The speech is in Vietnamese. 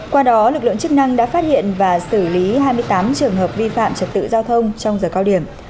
qua đó lực lượng chức năng đã phát hiện và xử lý hai mươi tám trường hợp vi phạm trật tự giao thông trong giờ cao điểm